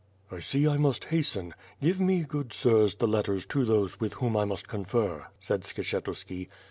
"1 see I must hasten; give me, good Sirs, the letters to those with whom I must confer," said Skshetuski.